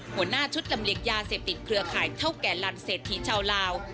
หัวหน้าชุดลำเลียงยาเสพติดเครือข่ายเท่าแก่รังเศรษฐีชาวลาว